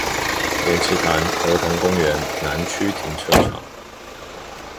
蓮池潭兒童公園南區停車場